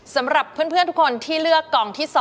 สำหรับเพื่อนทุกคนที่เลือกกล่องที่๒